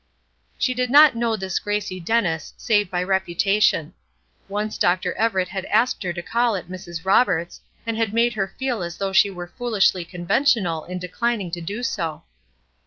She did not know this Gracie Dennis save by reputation. Once Dr. Everett had asked her to call at Mrs. Roberts', and had made her feel as though she were foolishly conventional in declining to do so.